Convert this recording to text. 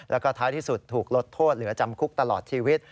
แล้วก็ท้ายที่สุดถูกลดโทษเหลือจำคุกตลอดชีวิต